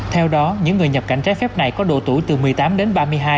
theo đó những người nhập cảnh trái phép này có độ tuổi từ một mươi tám đến ba mươi hai